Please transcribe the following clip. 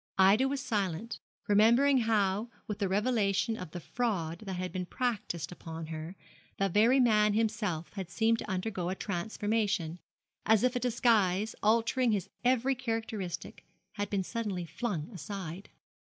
Ida was silent, remembering how, with the revelation of the fraud that had been practised upon her, the very man himself had seemed to undergo a transformation as if a disguise, altering his every characteristic, had been suddenly flung aside.